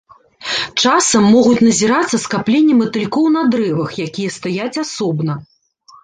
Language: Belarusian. Часам могуць назірацца скапленні матылькоў на дрэвах, якія стаяць асобна.